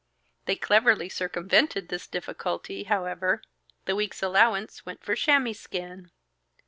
They cleverly circumvented this difficulty however. The week's allowance went for chamois skin.